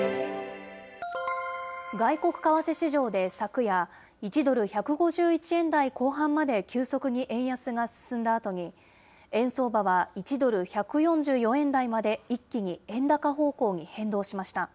外国為替市場で昨夜、１ドル１５１円台後半まで急速に円安が進んだあとに、円相場は１ドル１４４円台まで一気に円高方向に変動しました。